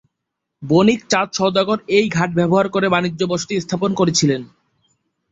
বণিক চাঁদ সওদাগর এই ঘাট ব্যবহার করে বাণিজ্য বসতি স্থাপন করেছিলেন।